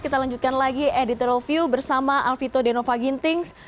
kita lanjutkan lagi editorial view bersama alvito denova gintings